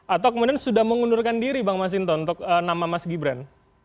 atau kemudian sudah mengundurkan diri bang masinton untuk nama mas gibran